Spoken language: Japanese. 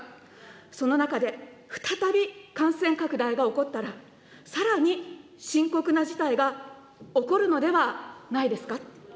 その中で再び感染拡大が起こったら、さらに深刻な事態が起こるのではないですか。